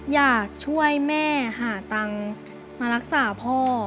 อยากช่วยแม่หาตังค์มารักษาพ่อ